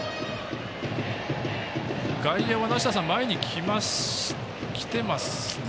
外野は前に来てますね。